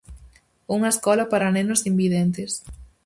Unha escola para nenos invidentes.